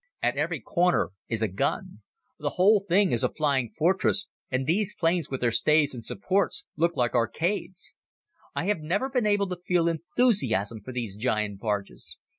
At every corner is a gun. The whole thing is a flying fortress, and the planes with their stays and supports look like arcades. I have never been able to feel enthusiasm for these giant barges.